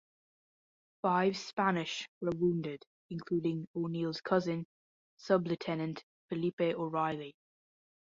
Five Spanish were wounded, including O'Neill's cousin, Sublieutenant Felipe O'Reilly.